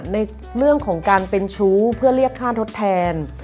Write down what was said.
ในเรื่องของการเป็นชู้เพื่อเรียกค่าทดแทน